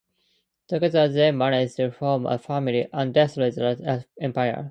Together they manage to form a family and destroy the rat empire.